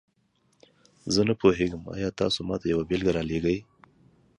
زه نه پوهیږم، آیا تاسو ماته یوه بیلګه راولیږئ؟